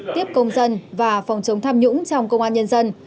tiếp công dân và phòng chống tham nhũng trong công an nhân dân